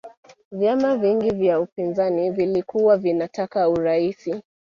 vyama vingi vya upinzani vilikuwa vinataka uraisi